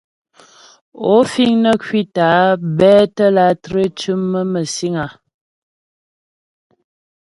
Ó fíŋ nə́ ŋkwítə́ á pɛ́tə́ látré ntʉ́mə məsìŋ áá ?